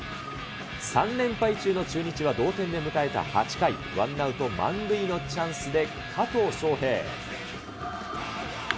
３連敗中の中日は、同点で迎えた８回、ワンアウト満塁のチャンスで加藤翔平。